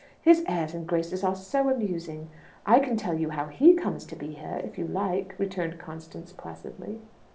His airs and graces are so amusing. I can tell you how he comes to be here, if you like," returned Constance placidly.